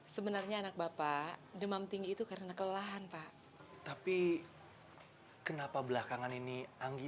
sebenarnya anak bapak demam tinggi itu karena kelelahan pak tapi kenapa belakangan ini anggi